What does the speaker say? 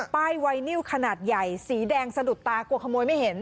ไวนิวขนาดใหญ่สีแดงสะดุดตากลัวขโมยไม่เห็น